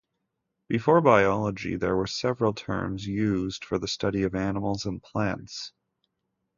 Before "biology", there were several terms used for the study of animals and plants.